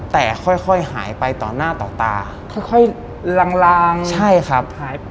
แต่ค่อยหายไปต่อหน้าต่อตาค่อยลางใช่ครับหายไป